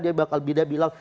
dia bakal bida bilang